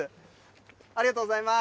ありがとうございます。